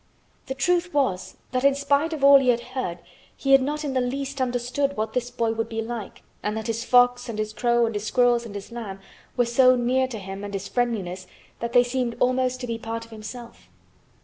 The truth was that in spite of all he had heard he had not in the least understood what this boy would be like and that his fox and his crow and his squirrels and his lamb were so near to him and his friendliness that they seemed almost to be part of himself.